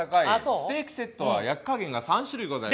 ステーキセットは焼き加減が３種類ございます。